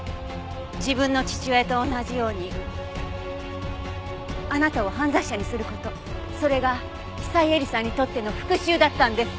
自分の父親と同じようにあなたを犯罪者にする事それが久井絵里さんにとっての復讐だったんです。